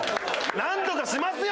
なんとかしますよ